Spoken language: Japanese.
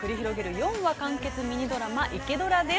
４話完結ミニドラマ「イケドラ」です。◆